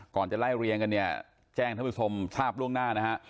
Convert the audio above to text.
ก่อนจะไล่เรียงกันเนี่ยแจ้งท่านผู้ชมทราบล่วงหน้านะฮะ